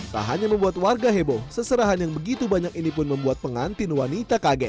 tak hanya membuat warga heboh seserahan yang begitu banyak ini pun membuat pengantin wanita kaget